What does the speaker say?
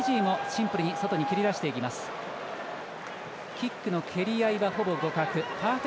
キックの蹴り合いはほぼ互角。